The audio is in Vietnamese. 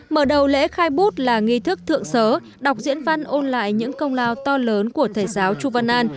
mở đầu lễ khai bút là nghi thức thượng sớ đọc diễn văn ôn lại những công lao to lớn của thầy giáo chu văn an